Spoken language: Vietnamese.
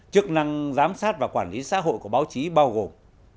chức năng giám sát và quản lý xã hội của báo chí bao gồm